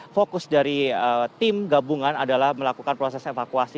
fokus dari tim gabungan adalah melakukan proses evakuasi